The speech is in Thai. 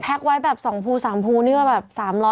แพ็คไว้แบบ๒ฟู๓ฟูนี่ก็แบบ๓๐๐๔๐๐